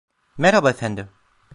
Merhaba efendim.